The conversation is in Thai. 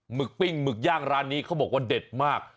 ึกปิ้งหมึกย่างร้านนี้เขาบอกว่าเด็ดมาก